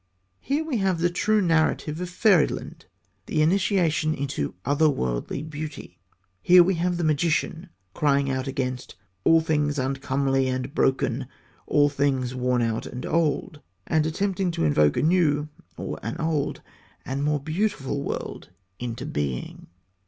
Here we have the true narrative of fairyland, the initiation into other worldly beauty. Here we have the magician crying out against All things uncomely and broken, all things worn out and old, and attempting to invoke a new or an old and more beautiful world into being.